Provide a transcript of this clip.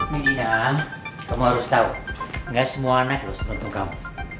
medina kamu harus tahu gak semua neklo sementara kamu